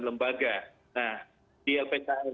lembaga nah di lpk